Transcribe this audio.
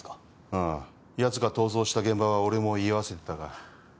ああやつが逃走した現場は俺も居合わせてたが。